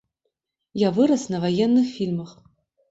Я вырас на ваенных фільмах.